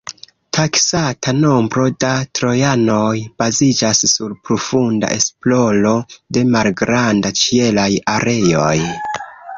Taksata nombro da trojanoj baziĝas sur profunda esploro de malgranda ĉielaj areoj.